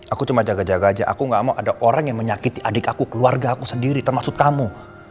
aku cuma jaga jaga aja aku gak mau ada orang yang menyakiti adik aku keluarga aku sendiri termasuk kamu